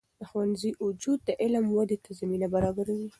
د ښوونځي وجود د علم ودې ته زمینه برابروي.